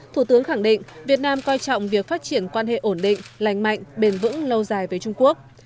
thủ tướng khẳng định việt nam coi trọng việc phát triển quan hệ ổn định lành mạnh bền vững lâu dài với trung quốc